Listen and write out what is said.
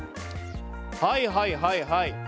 はいはいはいはい。